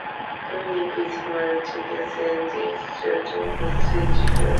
Dominic is married to Cathie and is the father of three children.